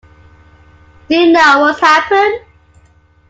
Do you know what's happened?